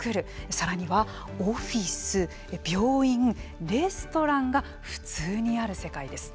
さらにはオフィス病院レストランが普通にある世界です。